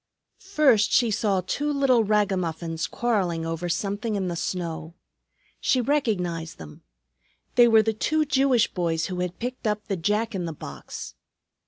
First she saw two little ragamuffins quarreling over something in the snow. She recognized them. They were the two Jewish boys who had picked up the Jack in the box.